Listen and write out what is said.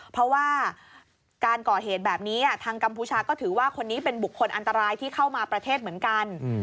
เพราะว่าการก่อเหตุแบบนี้ทางกัมพูชาก็ถือว่าคนนี้เป็นบุคคลอันตรายที่เข้ามาประเทศเหมือนกัน